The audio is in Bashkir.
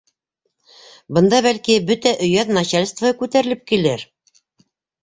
Бында, бәлки, бөтә өйәҙ начальствоһы күтәрелеп килер.